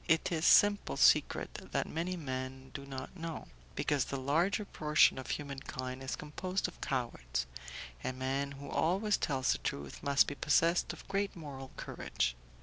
It is simple secret that many men do not know, because the larger portion of humankind is composed of cowards; a man who always tells the truth must be possessed of great moral courage.